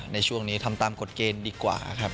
ในช่วงนี้ทำตามกฎเกณฑ์ดีกว่าครับ